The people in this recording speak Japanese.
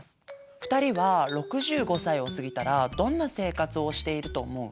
２人は６５歳を過ぎたらどんな生活をしていると思う？